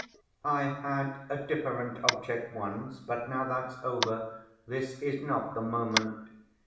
"I had a different object once, but now that's over, this is not the moment.